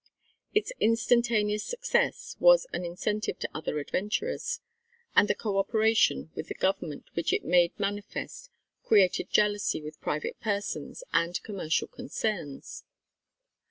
Its instantaneous success was an incentive to other adventurers; and the co operation with government which it made manifest created jealousy with private persons and commercial concerns.